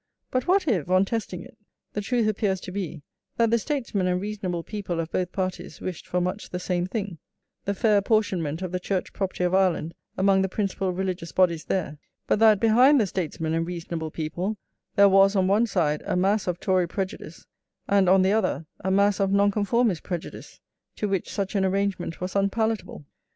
But what if, on testing it, the truth appears to be, that the statesmen and reasonable people of both parties wished for much the same thing, the fair apportionment of the church property of Ireland among the principal religious bodies there; but that, behind the statesmen and reasonable people, there was, on one side, a mass of Tory prejudice, and, on the other, a mass of Nonconformist prejudice, to which such an arrangement was unpalatable?